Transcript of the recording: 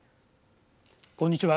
こんにちは。